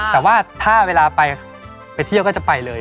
แต่ว่าถ้าเวลาไปเที่ยวก็จะไปเลย